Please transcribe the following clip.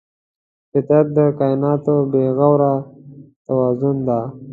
فطرت د کایناتو بېغوره توازن دی.